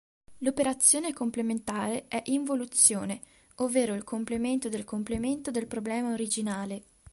L'operazione complementare è involuzione, ovvero il complemento del complemento del problema originale.